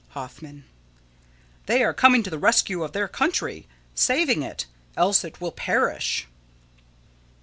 _] Hoffman: They are coming to the rescue of their country. Saving it; else it will perish.